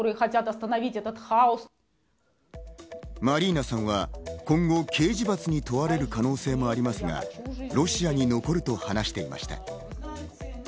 マリーナさんは今後、刑事罰に問われる可能性もありますが、ロシアに残ると話していました。